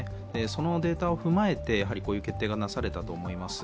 そのデータを踏まえて、こういう決定がなされたと思います。